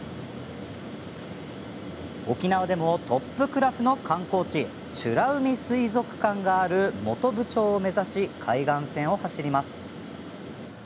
沖縄でもトップクラスの観光地美ら海水族館がある本部町を目指し海岸線を走ります。